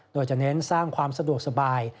โดยจะเน้นสร้างความสะดวกสบาย